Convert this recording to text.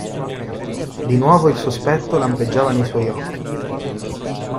Di nuovo il sospetto lampeggiava nei suoi occhi.